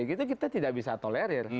kita tidak bisa tolerir